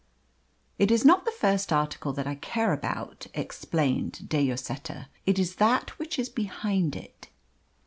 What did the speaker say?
"It is not the first article that I care about," explained De Lloseta. "It is that which is behind it.